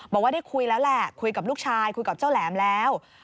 บอกว่าได้คุยแล้วแหละคุยกับลูกชายคุยกับเจ้าแหลมแล้ว